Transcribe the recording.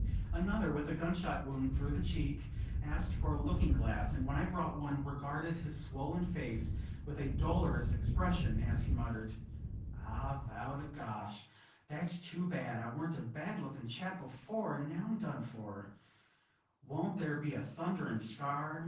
Another, with a gun shot wound through the cheek, asked for a looking glass, and when I brought one, regarded his swollen face with a dolorous expression, as he muttered "I vow to gosh, that's too bad! I warn't a bad looking chap before, and now I'm done for; won't there be a thunderin' scar?